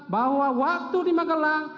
bahwa waktu di magelang